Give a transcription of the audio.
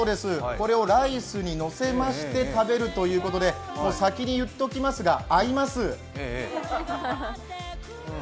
これをライスにのせまして食べるということで先に言っておきますが、合います。